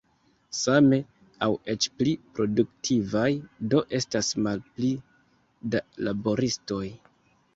Same aŭ eĉ pli produktivaj do estas malpli da laboristoj.